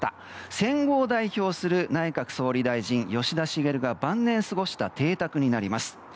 戦後を代表する内閣総理大臣吉田茂が晩年過ごした邸宅になります。